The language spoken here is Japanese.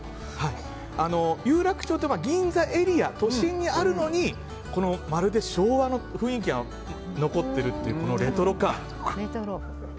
有楽町って銀座エリア都心にあるのにまるで昭和の雰囲気が残っているというこのレトロ感。